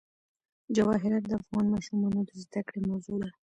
جواهرات د افغان ماشومانو د زده کړې موضوع ده.